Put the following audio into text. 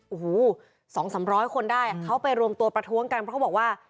โอ้โห๒๓๐๐คนได้เขาไปรวมตัวประท้วงกันเพราะเขาบอกว่า